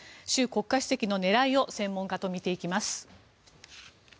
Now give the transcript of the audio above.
習国家主席の狙いを専門家と見ていきます。